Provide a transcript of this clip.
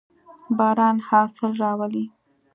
باران حاصل راولي.